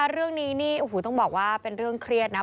เรื่องนี้ต้องบอกว่าเป็นเรื่องเครียดนะ